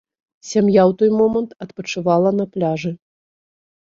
Сям'я ў той момант адпачывала на пляжы.